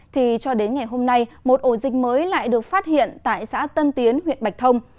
thì cho đến ngày hôm nay một ổ dịch mới lại được phát hiện tại xã tân tiến huyện bạch thông